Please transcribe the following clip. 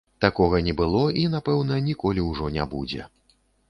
Такога не было і, напэўна, ніколі ўжо не будзе.